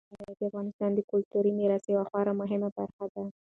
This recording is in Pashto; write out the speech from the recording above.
غزني د افغانستان د کلتوري میراث یوه خورا مهمه برخه ده.